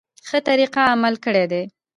ښه طریقه عمل کړی دی.